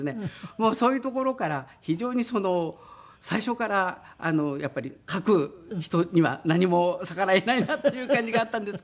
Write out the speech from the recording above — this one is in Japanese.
もうそういうところから非常に最初からやっぱり書く人には何も逆らえないなっていう感じがあったんですけど。